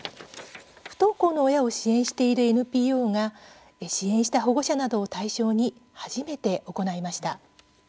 不登校の親を支援しているＮＰＯが支援した保護者などを対象に初めて行いました。